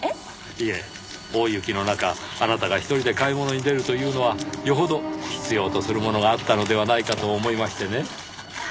いえ大雪の中あなたが１人で買い物に出るというのはよほど必要とするものがあったのではないかと思いましてね。